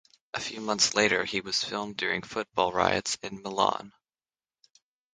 A few months later he was filmed during football riots in Milan.